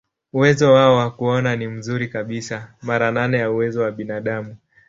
Uwezo wao wa kuona ni mzuri kabisa, mara nane ya uwezo wa binadamu.